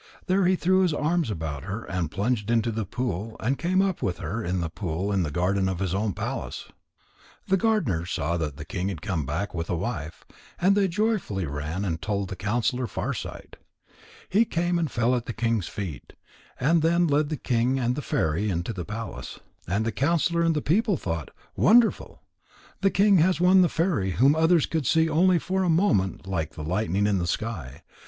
There he threw his arms about her and plunged into the pool, and came up with her in the pool in the garden of his own palace. The gardeners saw that the king had come back with a wife, and they joyfully ran and told the counsellor Farsight. He came and fell at the king's feet, and then led the king and the fairy into the palace. And the counsellor and the people thought: "Wonderful! The king has won the fairy whom others could see only for a moment like the lightning in the sky.